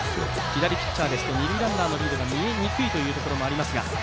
左ピッチャーですと二塁ランナーのリードが見えにくいところがありますが。